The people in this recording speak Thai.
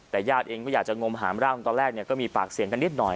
แต่ญาติเองก็อยากจะงมหามร่างตอนแรกเนี่ยก็มีปากเสียงกันนิดหน่อย